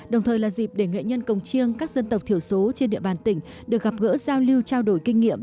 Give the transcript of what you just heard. đồng thời là dịp để nghệ nhân cổng chiêng các dân tộc thiểu số trên địa bàn tỉnh được gặp gỡ giao lưu trao đổi kinh nghiệm